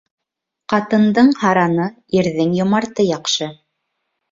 Ҡатындың һараны, ирҙең йомарты яҡшы.